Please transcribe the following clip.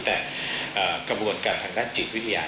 แต่กระบวนการทางด้านจิตวิทยา